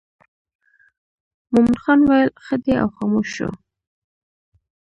مومن خان ویل ښه دی او خاموش شو.